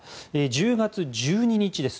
１０月１２日です。